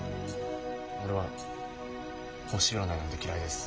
俺は星占いなんて嫌いです。